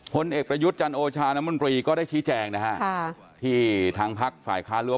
พเอกประยุทธ์จันโอชานมบรีก็ได้ชี้แจงนะฮะที่ทางภาคฝ่ายค้าเรื้อ